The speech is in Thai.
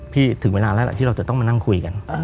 ถึงเวลาแล้วที่เราจะต้องมานั่งคุยกัน